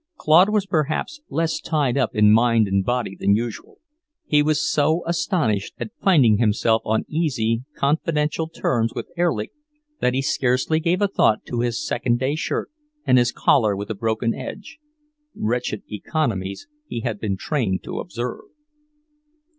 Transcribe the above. Claude was perhaps less tied up in mind and body than usual. He was so astonished at finding himself on easy, confidential terms with Erlich that he scarcely gave a thought to his second day shirt and his collar with a broken edge, wretched economies he had been trained to observe.